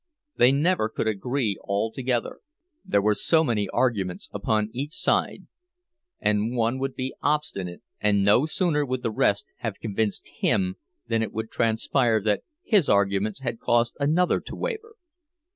They never could agree all together; there were so many arguments upon each side, and one would be obstinate, and no sooner would the rest have convinced him than it would transpire that his arguments had caused another to waver.